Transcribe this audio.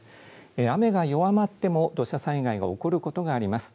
雨が弱まっても土砂災害が起こることがあります。